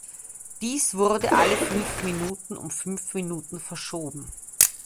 Dies wurde alle fünf Minuten um fünf Minuten verschoben.